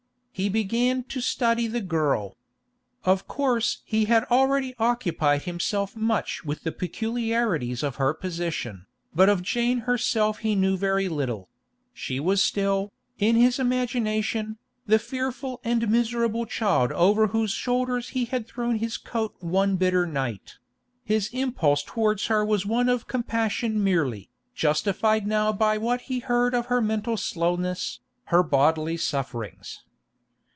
He began to study the girl. Of course he had already occupied himself much with the peculiarities of her position, but of Jane herself he knew very little; she was still, in his imagination, the fearful and miserable child over whose shoulders he had thrown his coat one bitter night; his impulse towards her was one of compassion merely, justified now by what he heard of her mental slowness, her bodily sufferings.